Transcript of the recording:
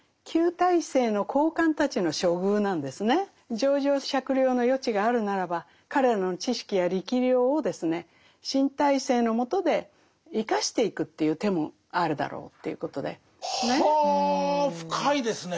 情状酌量の余地があるならば彼らの知識や力量をですね新体制のもとで生かしていくっていう手もあるだろうということで。は深いですねえ。